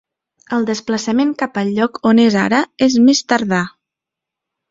El desplaçament cap al lloc on és ara és més tardà.